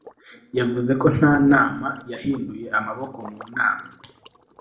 Yavuze ko nta nama yahinduye amaboko mu nama